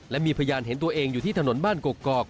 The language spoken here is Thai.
และมีพยานเห็นตัวเองอยู่ที่ถนนบ้านกกอก